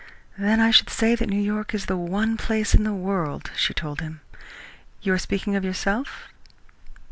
"Then I should say that New York is the one place in the world," she told him. "You are speaking of yourself?"